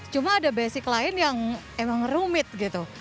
cuma ada basic lain yang emang rumit gitu